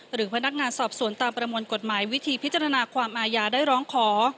หรือพนักงานสอบสวนตามประมวลกฎหมายวิธีพิจารณาความอาญาได้ร้องขอ